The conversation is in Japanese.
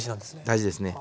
大事ですね。